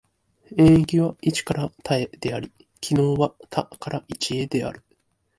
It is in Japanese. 演繹は一から多へであり、帰納は多から一へである。